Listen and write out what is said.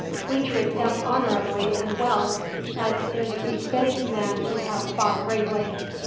"We treat them honorably and well, as is befitting men who have fought bravely.